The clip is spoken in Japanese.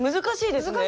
難しい！